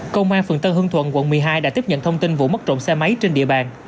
công an phường tân hương thuận quận một mươi hai đã tiếp nhận thông tin vụ mất trộm xe máy trên địa bàn